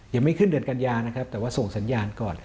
ยังไม่ขึ้นเดือนกันยานะครับแต่ว่าส่งสัญญาณก่อน